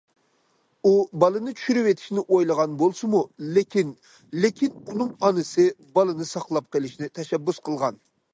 ئۇ بالىنى چۈشۈرۈۋېتىشنى ئويلىغان بولسىمۇ، لېكىن لېكىن ئۇنىڭ ئانىسى بالىنى ساقلاپ قېلىشنى تەشەببۇس قىلغان.